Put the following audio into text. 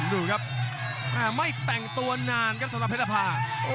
ดูครับไม่แต่งตัวนานครับสำหรับเพชรภา